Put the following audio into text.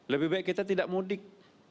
lebih baik kita tidak mudik